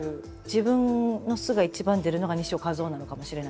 自分の素が一番出るのが西尾一男なのかもしれないです。